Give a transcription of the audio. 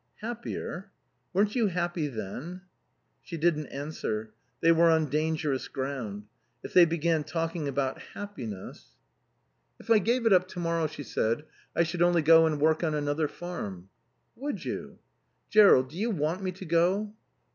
"Happier? Weren't you happy then?" She didn't answer. They were on dangerous ground. If they began talking about happiness "If I gave it up to morrow," she said, "I should only go and work on another farm." "Would you?" "Jerrold do you want me to go?"